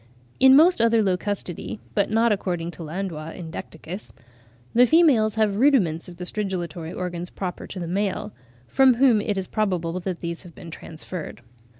In most other Locustidae (but not according to Landois in Decticus) the females have rudiments of the stridulatory organs proper to the male; from whom it is probable that these have been transferred.